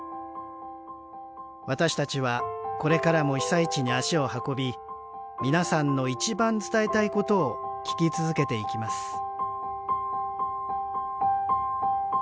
私たちはこれからも被災地に足を運び皆さんの「一番伝えたいこと」を聞き続けていきます